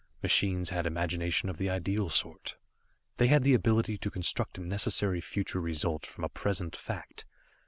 Machines had imagination of the ideal sort. They had the ability to construct a necessary future result from a present fact.